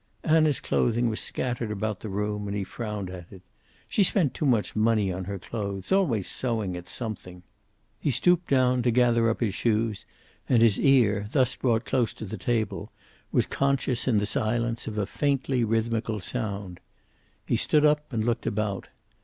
Anna's clothing was scattered about the room, and he frowned at it. She spent too much money on her clothes. Always sewing at something He stooped down to gather up his shoes, and his ear thus brought close to the table was conscious in the silence of a faint rhythmical sound. He stood up and looked about.